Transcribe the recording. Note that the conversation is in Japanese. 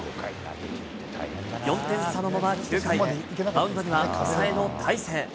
４点差のまま９回、マウンドには抑えの大勢。